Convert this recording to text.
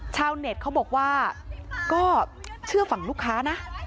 ชาวเน็ตเขาบอกว่าก็เชื่อฝั่งลูกค้านะ